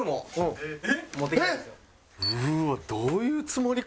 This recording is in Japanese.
どういうつもり？